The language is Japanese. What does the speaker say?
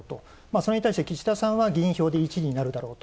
それに対して岸田さんは議員票で１位になるだろうと。